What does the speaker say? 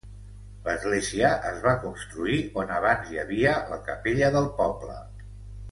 L'església es va construir on abans hi havia la capella del poble.